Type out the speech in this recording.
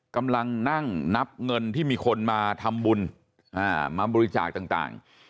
กำลังนั่งนับเงินที่มีคนมาทำบุญมาบริจาคต่าง